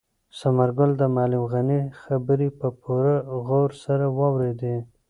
ثمرګل د معلم غني خبرې په پوره غور سره واورېدې.